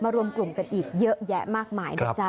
รวมกลุ่มกันอีกเยอะแยะมากมายนะจ๊ะ